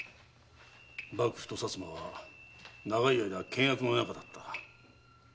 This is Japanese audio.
幕府と薩摩は長い間険悪な仲だった。